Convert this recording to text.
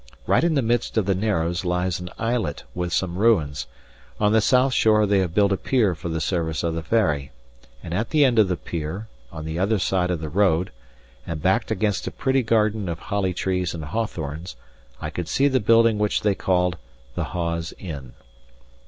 Right in the midst of the narrows lies an islet with some ruins; on the south shore they have built a pier for the service of the Ferry; and at the end of the pier, on the other side of the road, and backed against a pretty garden of holly trees and hawthorns, I could see the building which they called the Hawes Inn.